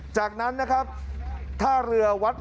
จากนั้นนะครับท่าเรือวัด